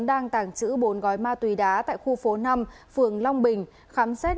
đang tàng trữ bốn gói ma túy đá tại khu phố năm phường long bình